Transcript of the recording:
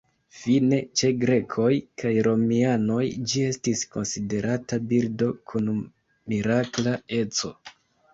Fine, ĉe grekoj kaj romianoj ĝi estis konsiderata birdo kun mirakla eco.